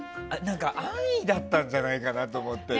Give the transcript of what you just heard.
安易だったんじゃないかなと思って。